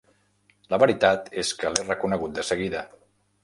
La veritat és que l'he reconegut de seguida.